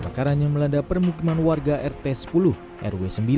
mekarannya melanda permukiman warga rt sepuluh rw sembilan